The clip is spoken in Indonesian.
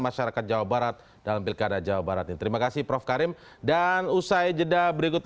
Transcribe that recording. masyarakat jawa barat dalam pilkada jawa barat ini terima kasih prof karim dan usai jeda berikut